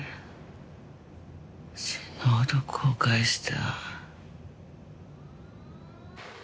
死ぬほど後悔した。